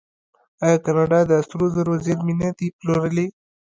آیا کاناډا د سرو زرو زیرمې نه دي پلورلي؟